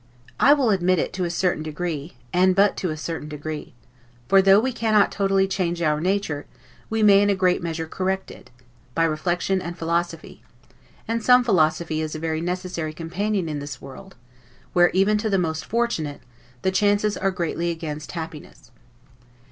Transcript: I will admit it, to a certain degree; and but to a certain degree; for though we cannot totally change our nature, we may in a great measure correct it, by reflection and philosophy; and some philosophy is a very necessary companion in this world, where, even to the most fortunate, the chances are greatly against happiness.